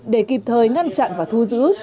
để kịp thời ngăn chặn và thu giữ